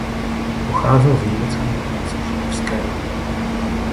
Pocházel z německy mluvící židovské rodiny.